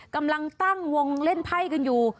กำลังตั้งวงเล่นไพ่กันอยู่